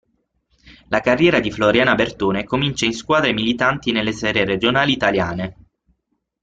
La carriera di Floriana Bertone comincia in squadre militanti nelle serie regionali italiane.